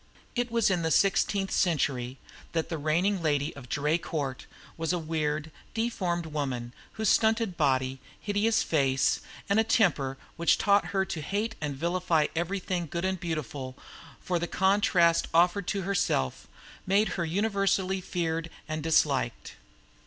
It was in the sixteenth century that the reigning lady of Draye Court was a weird, deformed woman, whose stunted body, hideous face, and a temper which taught her to hate and vilify everything good and beautiful for the contrast offered to herself, made her universally feared and disliked.